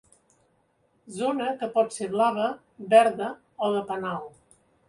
Zona que pot ser blava, verda o de penal.